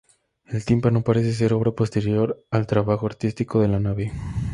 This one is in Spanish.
El tímpano parece ser obra posterior al trabajo artístico de la nave.